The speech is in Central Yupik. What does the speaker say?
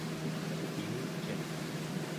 yuuciq